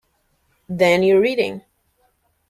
Then you're reading.